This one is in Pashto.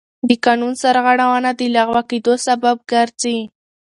د قانون سرغړونه د لغوه کېدو سبب ګرځي.